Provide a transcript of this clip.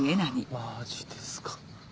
マジですか。